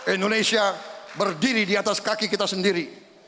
indonesia berdiri di atas kaki kita sendiri